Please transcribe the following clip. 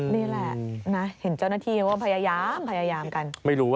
นี่แหละนะเห็นเจ้าหน้าที่ว่าพยายามกัน